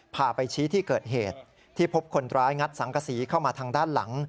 พาไปชี้ที่เกิดเหตุที่พบคนร้ายงัดสังกษีเข้ามาทางด้านหลัง